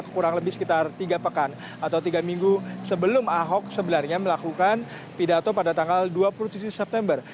kurang lebih sekitar tiga pekan atau tiga minggu sebelum ahok sebenarnya melakukan pidato pada tanggal dua puluh tujuh september